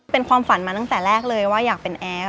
เป็นความฝันมาตั้งแต่แรกเลยว่าอยากเป็นแอฟ